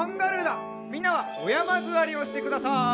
みんなはおやまずわりをしてください。